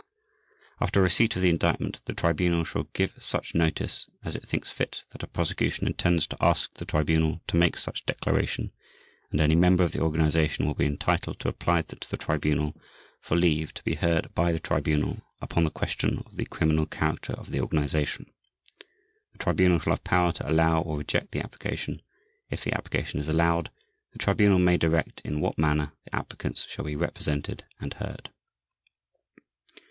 After receipt of the Indictment the Tribunal shall give such notice as it thinks fit that the Prosecution intends to ask the Tribunal to make such declaration and any member of the organization will be entitled to apply to the Tribunal for leave to be heard by the Tribunal upon the question of the criminal character of the organization. The Tribunal shall have power to allow or reject the application. If the application is allowed, the Tribunal may direct in what manner the applicants shall be represented and heard.